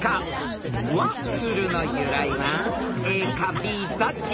［ワッフルの由来はＡかＢどっち？］